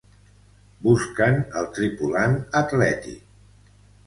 Busquen el tripulant atlètic.